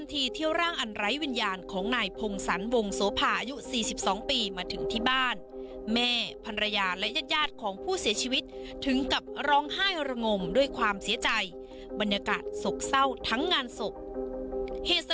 ติดตามเรื่องนี้จากรายงานค่ะ